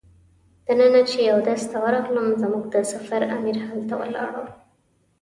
دننه چې اودس ته ورغلم زموږ د سفر امیر هلته ولاړ و.